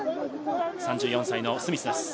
３４歳のスミスです。